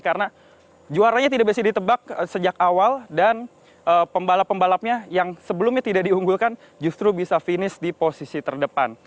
karena juaranya tidak bisa ditebak sejak awal dan pembalap pembalapnya yang sebelumnya tidak diunggulkan justru bisa finish di posisi terdepan